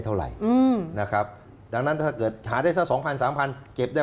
เท่าไหร่นะครับดังนั้นถ้าเกิดหาได้สัก๒๐๐๐๓๐๐๐เก็บได้